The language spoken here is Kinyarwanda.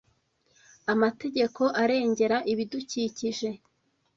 amategeko arengera ibidukikije